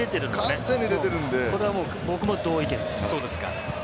これは僕も同意見です。